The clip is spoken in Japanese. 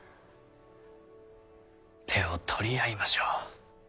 手を取り合いましょう。